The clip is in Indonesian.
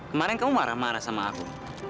kemarin kamu marah marah sama aku